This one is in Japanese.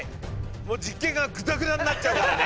もう実験がグダグダになっちゃうからね。